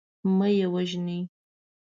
مه یې وژنی.